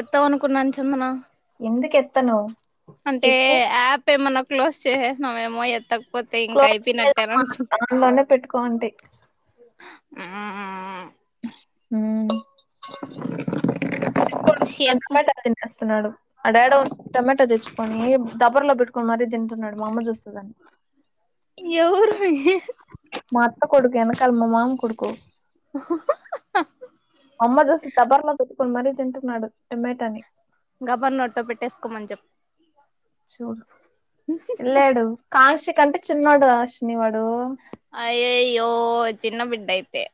ఎత్తావ్ అనుకున్నాను చందన ఎందు కేఎత్తనవ్ అంటే యాప్ ఏమనా క్లోజ్ చేసేసినఏమో ఏతి క్లోజ్ చేమ్ దలోనే పెట్టుకోండి ఆమ్ హమ్ చెప్పు టమాటా తినేస్తున్నాడు ఆ డాడ ఉ టమాటా తెచ్చుకొని దడబ్బర్లో పెట్టు కుమారిది తింటున్నాడు మా అమ్మ చూస్తు దాన్ని ఎవరు అ మ అత్త కొడుకు యనకల మా మామ కొడుకు అమ్మ దోస్ తబర్లో ఇప్పుడు మరీ తింటున్నాడు టొమటాని గబర్ నోట్టో పెట్టేసుకోమని చెప్ప చూ ఎల్లడు కాంక్ష కంటే చిన్నవాడు [inaudible] ఆయయి అయ్యో చిన్న బిడ్డ అయితే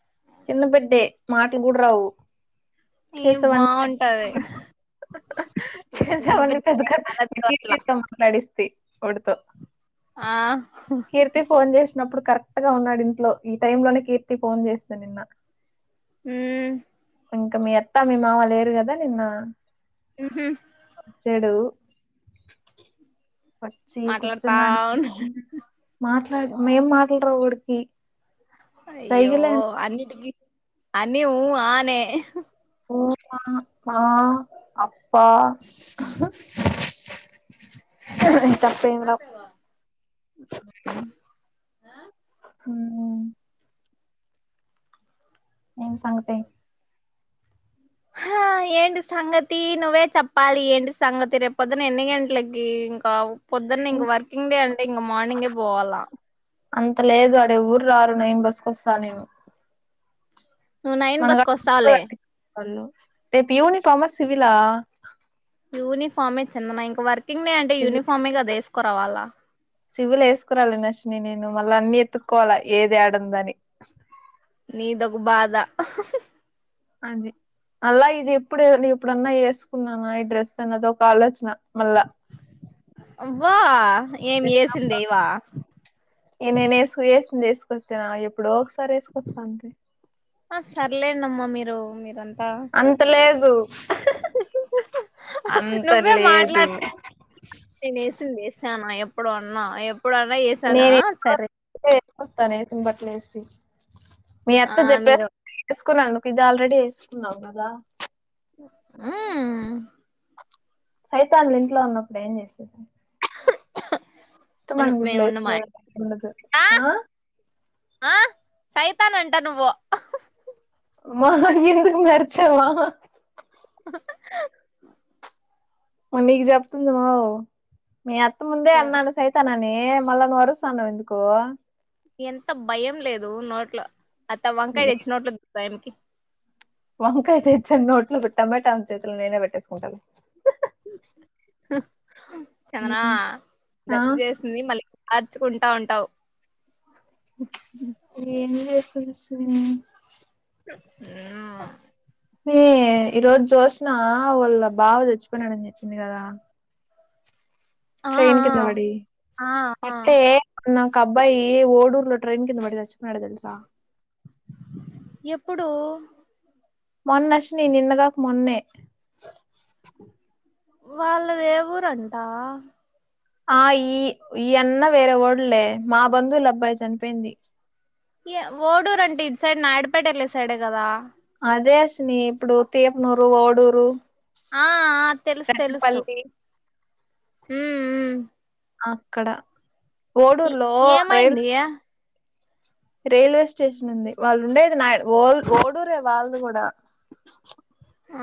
చిన్న బిడ్డే మాటలు కూడా రావు ఈ చేసేవ బాగుంటది చేసేవన్ని పెద్ద అట్లా కీర్తితో మాట్లాడిస్తే వాడితో ఆ కీర్తి ఫోన్ చేసి అప్పుడుప్పుడు కరెక్ట్ గా ఉన్నాడు ఇంట్లో ఈ టై లోనే కీర్తి ఫోన్ చేస్ [inaudible] హ్మ్ ఇంకా మీ అత్త మీ మామ లేరు కదా నిన్న హ్మ్ హు చెడువు వచ్చి మాట్లాడతా కుచ్చనాడు ఉ మాట మేం మాట్లాడరా వోడికి అయ్యో అని ఆన్ని ఊ.. ఆ నే పూమా మా అప్పా తప్పే [unintelligible] హ్మ్ ఏంటి సంగతి ఆ ఏంటి సంగతి నువ్వే చెప్పాలి ఏంటి సంగతి రేపొద్దున ఎన్ని గంటలకి ఇంకా పొద్దున్న ఇంక వర్కింగ్ డే అంటే ఇంక మార్నింగే పోవాలా అంత లేదు అడే ఎవరూ రారు నైన్ బసుకొస్తా నేను నువ్వు నైన్ మనగా బస్కు వస్తావ్ లే వాళ్ళు రేపు యూనిఫార్మ సివలా యూనిఫార్మే చందన ఇంక వరక్ వర్కింగ్ డై అంటే సివి యూనిఫామే కదే వేస్ కోరవాలా సివిల్ వేసుకురాలి నశని నేను మళ్ళా అన్నిీ ఎతుక్కోవాల ఏది యాడ ఉంది అని నీద్ ఒక బాధ అది అలా ఇది ఎప్పుడు న ఇప్పుడన్నా వెసుకున్నానా ఈ డ్రెస్ అన్నది ఒక ఆలోచన మళ్ళా వా ఏం చేసింది ఏయావా నేను వేసు వేసుకుంది వేసుకొస్తానా ఎప్పుడో ఒకసారి వేసుకొస్తా అంతే ఆ సర్లే నమ్మ మీరు మీరంత అంతలేద్ ఉ అంత నువ్వే లేదు మాట్లాడుత నే నే చేశానా ఎప్పుడు అన్నా ఎప్పుడన్నా చేసానా ఆ సరే సింబట్లేసి మీ ఆ అత్త చెప్పే మీరు చేసుకున్నాను ఇది ఆల్రెడీ వేసుకున్నాం కదా ఉమ్ సైతాన్లు ఇంట్లో ఉన్నప్పుడు ఏం చేసేది ఆ ఇష్టమైన గుట్లేసుకు ఉండదు ఆ ఆ సైతాన్ అంటా నువ్వు మా ఎందుకు మే అరిచమా ఆ ఉంనీకు చెప్తుందిమో మీ అత్తముందే అన్నాను సైతన్ అని హే మల్ల నువ్వు అరుస్తన్నావ్ ఎందుకు ఎంత భయం లేదు నోట్ల అత్త వంకాయ తెచ్చి నోట్ల టైంకి వంకాయితేచనోట్ల బె టమాటం చేతులు నేనే పెట్టేసుకుంటది అ చందనా ఆ దగ్గు చేస్తుంది మళ్ళీ అర్చుకుంటా ఉంటావ్ ఏంలెద్ [inaudible] ఆ మే ఈరోజు జోసినా వాళ్ళ బావ సచ్చిపోయినాడని చెప్పింది కదా ఆ ట్రైన్ కింద వడి ఆ ఆ అంటే నాకు అబ్బాయి ఓడూరులో ట్రెయిన్ కింద వడిసచ్ పడదెలుసా ప్పుడు మొన్నశని నిన్నకాకా మోన్నె వాళ్ళ దేఊరంట ఆ ఈ ఈ అన్న వేరే వోడ్లే మా బంధువులబ్బాయి చనిపోయింది ఓడూరు అంటే ఇది సైడ్ నాయడుపేట వెళ్ళ సైడే కదా అదే అశ్విని ఇప్పుడు తీపనూరు ఓడూరు ఆ ఆ తెలుసు తెలుసు రెట్టపల్లి మ్మ్ మ్మ్ అక్కడ ఏ ఓడూర్ లో రైలా ఏమైంది రైల్వే స్టేషన్ ఉంది వాళ్ళు ఉండేది నా ఓ ఓడూరే వాళ్ళది కూడా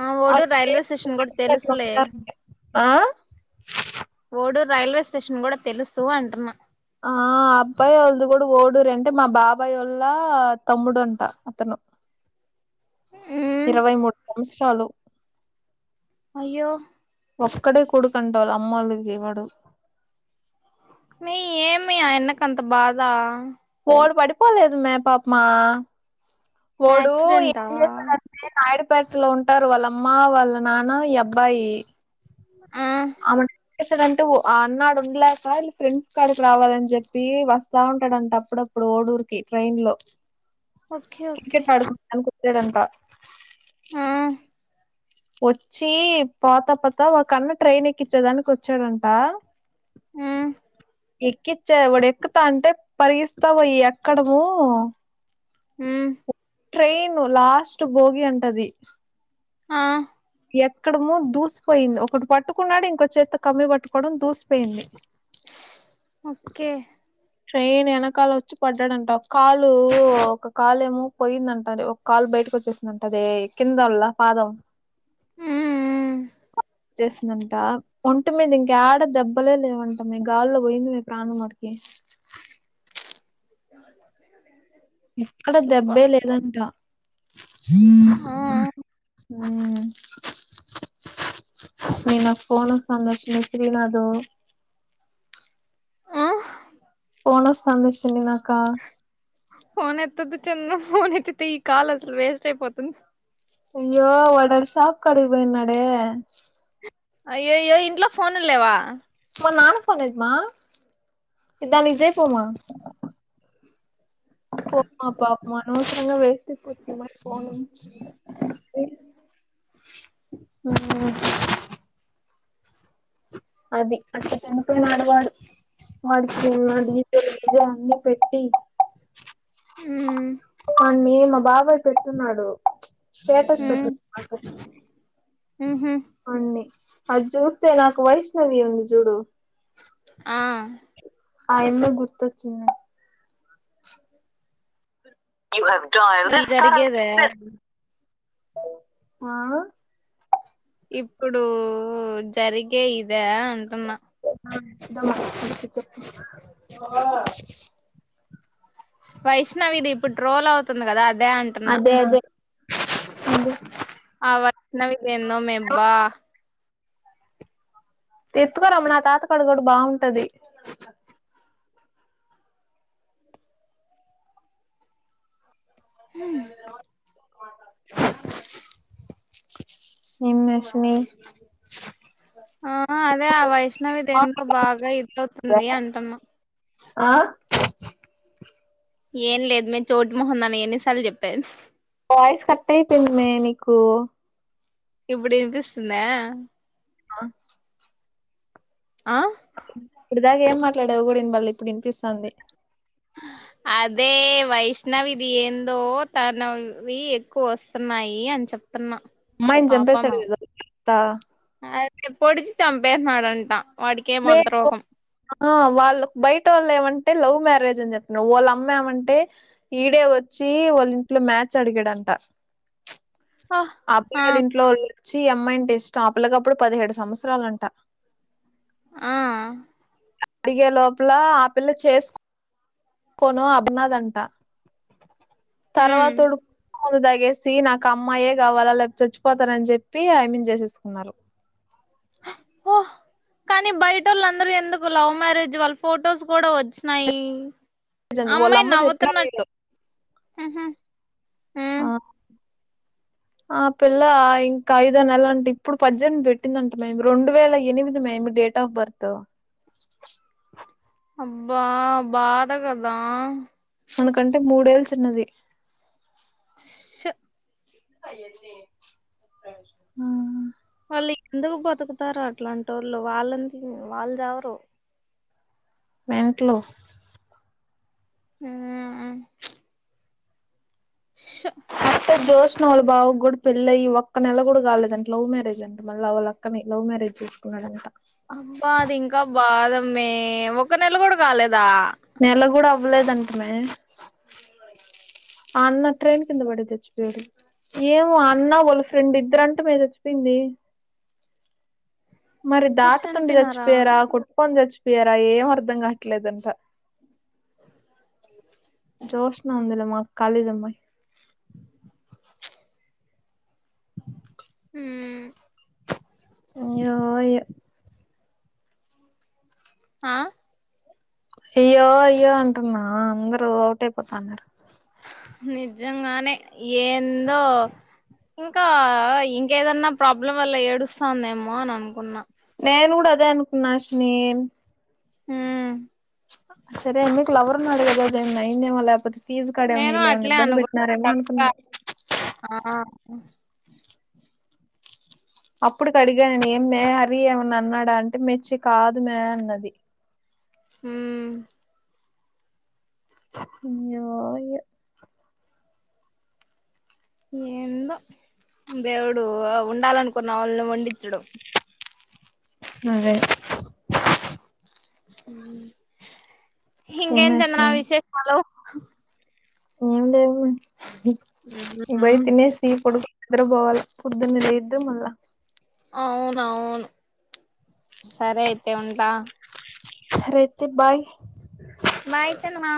ఆ ఓడూరు అంటే రైల్వే స్టేషన్ కూడా అట్లా తెలుసులే ఉంటారంట ఆ ఓడూరు రైల్వే స్టేషన్ కూడా తెలుసు అంటున్నా ఆ అబ్బాయి వాళ్ళది కూడా ఓడూరే అంటే మా బాబాయ్ వాళ్ళ లా తమ్ముడు అంటా అతను మ్మ్ ఇరవై మూడు సంవత్స చాలు అయ్యో ఒక్కడే కొడుకంటా వాళ్ళ అమ్మోలకి వాడు నీ ఏమి అయన్నకంత బాధ వాడు పడిపోలేదుమే పాపమా ఓడు యాక్సిడెంటా ఏం చేసాడంటే నా పేటలో ఉంటారు వాళ్ళమ్మ వాళ్ళ నాన్న ఈ అబ్బాయి ఆ ఆమె సడంటు ఆ అన్న ఆడుండలేక వీళ ఫ్రెండ్స్ కాడికి రావాలని చెప్పి వస్తా ఉంటాడంట అప్పుడప్పుడు ఓడూరికి ట్రైన్ లో ఓకే ఓకే తడంట ఆ వచ్చి పోతా పోతా ఒకన్న ట్రైన్ ఎక్కిచ్చేదానికి వచ్చాడంట మ్మ్ ఎక్కిచ్చా వాడు ఎక్కుతా అంటే పరిగిస్తా పోయి ఎక్కడము ఉమ్ ట్రైను లాస్ట్ బోగి ఉంటది ఆ ఎక్కడము దూసిపోయింది ఒకటి పట్టుకున్నాడు ఇంకో చేత్తో కమ్మి పట్టుకోవడం దూసిపోయింది ఓకే ట్రైన్ వెనకాల వచ్చి పడ్డాడంట ఒక కాలు ఒక కాలు ఏమో పోయిందంట ఒక కాలు బయటకు వచ్చేసిందంట అది కిందళ్ళ పాదం ఉమ్ మ్ చేసిందంట ఒంటి మీద ఇంకా యాడ దెబ్బలే లేవంట మే గాల్లో పోయింది మీ ప్రాణం మటుకి ఎక్కడ సుబ్బ దెబ్బే లేదంట ఆ ఉమ్ మీ నాకు పోనోస్తాంది మీ శ్రీనాదు ఆ పోనోస్తాంది చన్ని నాక ఫోన్ ఎత్తొద్దు చిన్న ఫోన్ ఎత్తితే ఈ కాల్ అసలు వేస్ట్ అయిపోతుంది అయ్యో వాడు ఆడ షాప్ కడికి పోయిన్నాడే అయ్యోయ్యో ఇంట్లో ఫోనుల్ లేవా మా నాన్న పోనేదమా ఇదానిదే పోమా పోమా పాపం అనవసరంగా వేస్ట్ [unintelligible] పోను మ్మ్ అ అది అచ్చటనకు నడువడు వాడికి నా డీటెయిల్ [unintelligible] అన్న పెట్టి మ్మ్ కానీ మా బాబాయ్ పెట్టున్నాడు స్టేటస్ పెట్ మ్మ్ మ్హు అండి అది చూస్తే నాకు వైష్ణవి ఉంది చూడు ఆ ఆ ఎందు గుర్తొచ్చింది ఇవ్వరు ఈ జరిగేదా ఆ ఇప్పుడు జరిగే ఇదా అంటున్నా ఆ [inaudible] చెప్పు వైష్ణవి ఇది ఇప్పు ట్రోల్ అవుతుంది కదా అద్ దే అంటున్నా అదే అదే అదే ఆ [inaudible] ఎన్నో మెబ్బా ఎత్తుకోరమ్మ నా తాతకాడ గుడా బావుంటది నిమ్మెష్మి ఆ అదే ఆ వైష్ణవి దేంతో బాగా ఇదవుతుంది అంటన్న ఆ ఏం లేదు మేము చోటు మొహన్ దాన ఎన్నిసార్లు చెప్పేది వాయిస్ కట్ అయిపోయింది మె మీకు ఇప్పుడు విపిస్తుందా ఆ ఆ ఇలాగ ఏం మాట్లాడేవు గుడా వినబడలే ఇప్పుడు వినిపిస్తాంది అదే వైష్ణవిది ఏందో తనవి ఎక్కువ వస్తన్నాయి అని చెప్ అమ్మాయిని చంపేశాడు కదా [inaudible] త ఎప్పొడిచి చంపేస్నాడంట ఆ వాళ్ళకు బయటోళ్ళు ఏమంటే లవ్ మ్యారేజ్ అని చెప్పిన వాళ్ళ అమ్మెమంటే ఈడే వచ్చి వాళ్ళ ఇంట్లో మ్యాచ్ అడిగాడంట ఆ అప్పుళ ఆ ఇంట్లో వాళ్ళు చ్చి అమ్మాయింటే ఇష్టం ఆ పిల్లకి అప్పుడు పదిహేడు సంవత్సరాలు అంట ఆ అడిగే లోపల ఆ పిల్ల చేసుకో ను అన్నది అంట ఉమ్ తర్వాతోడు మందు తగేసి నాకు అమ్మాయే కావాలా లేకా పోతే చచ్చిపోతానని చెప్పి ఐ మ్మి న్ చేసేసుకున్నారు. ఓహ్ కానీ బయటోల్లు అందరు ఎందుకు లవ్ మ్యారేజ్ వాళ్ళ ఫొటోస్ కూడా వచ్చినాయి. నిజం, వాళ్ళ అమ్మాయి అమ్మ చెప్పింది నవతూన్నట్ట వీళ్ళు. హ్ హ్ ఉ ఆ! ఆ పిల్ల ఇంకా ఐదో నెల అంట ఇప్పుడు పద్దేనిమిది పెట్టింధంట. మేము రెండు వేల ఎనిమిది మేమి డేట్ ఆఫ్ బర్త్ అబ్బా బాధగాదా మనకంటే మూడేళ్ళు చిన్నది. ఉష్ ఆ ఆ ళ్ళు ఎందుకు బతుకుతారు అట్లాంటి వోళ్ళు వాళ్ళంత వాళ్ళు చావరు వెెంట్లు హు ఉష్ తే జ్యోష్నా వాల్ల బావ కూడా పెళ్ళయ్య ఒక్క నెల కూడా కలేదంట. లవ్ మ్యేరేజ్ అంట మళ్ళ వాళ్ళక్కని లవ్ మ్యారేజ్ చేసుకున్నాడంట. అబ్బా అది ఇంకా బాధమే ఒక నెల కూడా కాలేదా నెల కూడా అవ్వలేదంటనే ఆ అన్న ట్రైన్ కింద పడి సచ్చిపోయాడు. ఏమో ఆ అన్న వాళ్ళ ఫ్రెండ్ ఇద్దర అంటే మే సచ్చిపోయింది మరి ఇద్దరు దాటతుండి చనిపోయినారా చచ్చిపోయారా కో కొని చచ్చిపోయరా ఏం అర్ధం కాట్లేదాంట జ్యోష్న ఉంది లేమా కాలేజమ్మయి హ్ అయ్యో అయ్యో ఆ అయ్యో అయ్యో అంటున్నా అందరూ అవుట్ అయిపోతాన్నారు. నిజంగానే ఏందో ఇంకా ఇంకేదన్నా ప్రాబ్లం వల్ల ఏడుస్తందేమో అని అనుకున్నా నేను కూడా అదే అనుకున్నా అర్షిని హ్ సరే నీకు లవర్ ఉన్నాడు కదా దైన్ అయ్యేదేమో లేపోతే ఫీజు కడ ఏమన్నా నేను ఇల్లు ఏమన్నా అట్లే ఇబ్బంది అనుకు పెట్టినారేమో అనుకున్నా హ్ అప్పుడుకి అడిగాను ఏమ్మే హరీ ఏమన్నా అన్నాడా అంటే మెర్చి కాదుమ్మే అన్నది హ్ అయ్యో అయ్యో ఏందో దేవుడు వుండాలనుకున్న వాళ్ళని వుండించడు. అదే హ్ ఇంకేం ఏమి చందనా అశ్విని విశేషాలు. ఏం లేవు ఇక పోయి తినేసి పడుకో నిద్ర పోవాలి పొద్దున్నే లేయద్దు మళ్ల అవునువును సరే అయితే ఉంటా రేతే బాయ్ మాయతేను మా